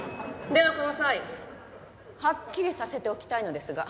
ではこの際はっきりさせておきたいのですが。